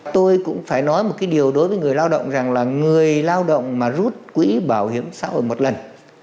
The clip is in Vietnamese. tôi cũng phải nói một cái điều đối với người lao động rằng là người lao động mà rút quỹ bảo hiểm xã hội một lần